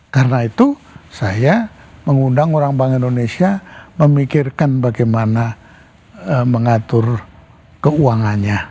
karena itu saya mengundang orang bang indonesia memikirkan bagaimana mengatur keuangannya